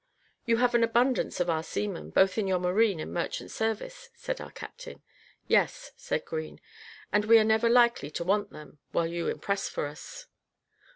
"You have an abundance of our seamen, both in your marine and merchant service," said our captain. "Yes," said Green; "and we are never likely to want them, while you impress for us."